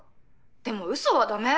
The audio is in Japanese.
でもうそはダメ！